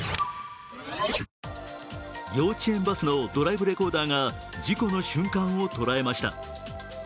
幼稚園バスのドライブレコーダーが事故の瞬間を捉えました。